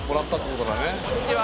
こんにちは。